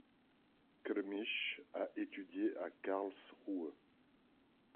Klmisch a étudié à Carlsruhe.